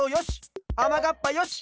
あまがっぱよし！